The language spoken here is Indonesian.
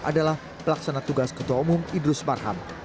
adalah pelaksana tugas ketua umum idrus marham